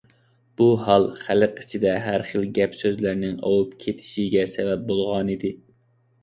بۇ ھال خەلق ئىچىدە ھەر خىل گەپ-سۆزلەرنىڭ ئاۋۇپ كېتىشىگە سەۋەب بولغانىدى.